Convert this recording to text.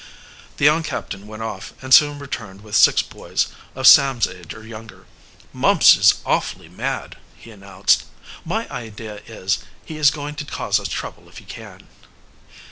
The young captain went off, and soon returned with six boys of Sam's age or younger. "Mumps is awfully mad," he announced. "My idea is, he is going to cause us trouble if he can."